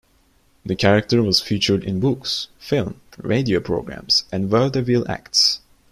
The character was featured in books, film, radio programs and vaudeville acts.